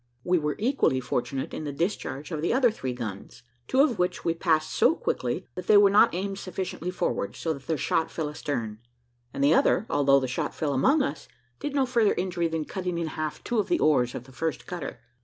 We were equally fortunate in the discharge of the other three guns; two of which we passed so quickly, that they were not aimed sufficiently forward, so that their shot fell astern; and the other, although the shot fell among us, did no further injury than cutting in half two of the oars of the first cutter.